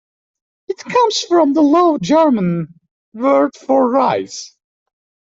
It comes from the Low German word for "rise".